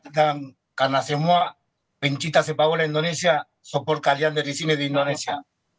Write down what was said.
karena semua pencinta sepak bola indonesia support kalian dari sini di indonesia